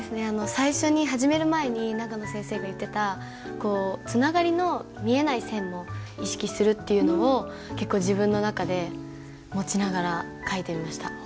最初に始める前に長野先生が言ってたつながりの見えない線も意識するっていうのを自分の中で持ちながら書いてみました。